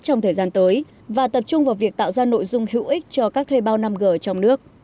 trong thời gian tới và tập trung vào việc tạo ra nội dung hữu ích cho các thuê bao năm g trong nước